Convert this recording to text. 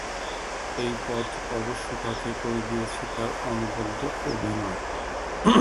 এই পথ অবশ্য তাঁকে করে দিয়েছে তাঁর অনবদ্য অভিনয়।